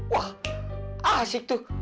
wah asik tuh